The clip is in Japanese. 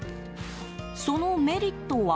そのメリットは？